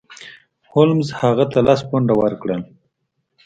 هولمز هغه ته لس پونډه ورکړل.